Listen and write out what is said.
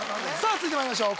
続いてまいりましょう